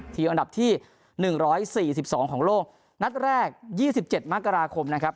อันดับที่๑๔๒ของโลกนัดแรก๒๗มกราคมนะครับ